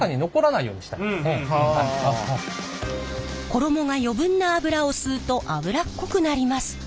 衣が余分な油を吸うと油っこくなります。